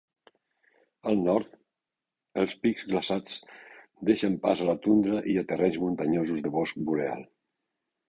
Al nord, els pics glaçats deixen pas a la tundra i a terrenys muntanyosos de bosc boreal.